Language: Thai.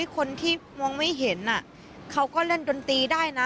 คนที่มองไม่เห็นเขาก็เล่นดนตรีได้นะ